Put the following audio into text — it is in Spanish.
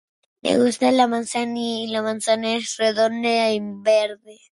Me gusta la manza y la manzana es redonda y verde.